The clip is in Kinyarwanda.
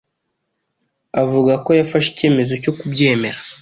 Avuga ko yafashe icyemezo cyo kubyemera